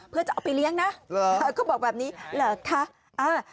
เพื่อจะเอาไปเลี้ยงนะก็บอกแบบนี้เหรอคะอ่า